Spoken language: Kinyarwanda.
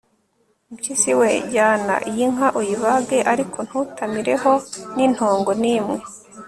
mpyisi we, jyana iyi nka uyibage, ariko ntutamireho n'intongo n'imwe